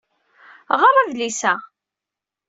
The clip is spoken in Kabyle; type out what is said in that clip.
Ɣeṛ adlis-a.